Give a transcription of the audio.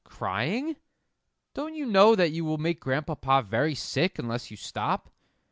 "Crying? Don't you know that you will make Grandpapa very sick unless you stop?"